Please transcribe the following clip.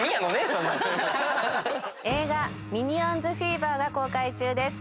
映画『ミニオンズフィーバー』が公開中です。